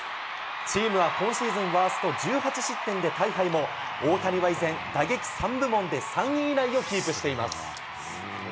チームは今シーズンワースト１８失点で大敗も、大谷は依然、打撃３部門で３位以内をキープしています。